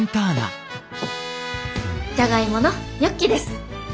じゃがいものニョッキです。